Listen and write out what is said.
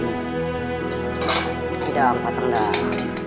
gila empat rendang